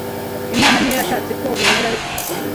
Imana ni yo yashatse ko bimera bityo.